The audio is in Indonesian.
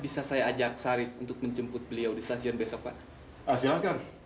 bisa saya ajak sarip untuk menjemput beliau di stasiun besok pak silakan